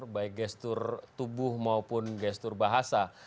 baik gestur tubuh maupun gestur bahasa